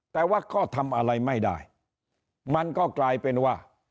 แต่ว่าก็ทำอะไรไม่ได้มันก็กลายเป็นว่า